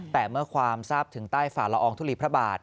แต่เมื่อความทราบถึงใต้ฝ่าละอองทุลีพระบาท